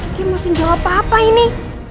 ini mesti jawab apa apa ini